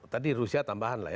tadi rusia tambahan lah ya